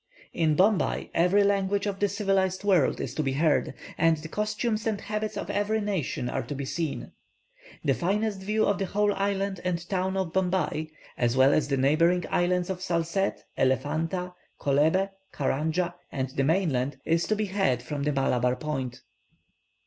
In Bombay, every language of the civilized world is to be heard, and the costumes and habits of every nation are to be seen. The finest view of the whole island and town of Bombay, as well as the neighbouring islands of Salsette, Elephanta, Kolabeh, Caranjah, and the mainland, is to be had from the Malabar point.